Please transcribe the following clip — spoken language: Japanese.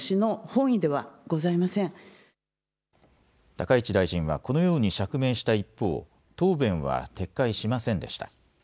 高市大臣はこのように釈明した一方、答弁は撤回しませんでした。